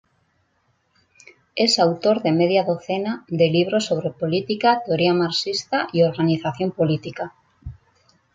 Es autor de media docena de libros sobre política, teoría marxista y organización política.